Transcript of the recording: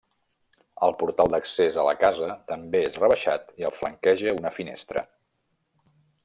El portal d'accés a la casa també és rebaixat i el flanqueja una finestra.